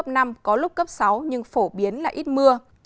ở mức cấp năm có lúc cấp sáu nhưng phổ biến là ít mưa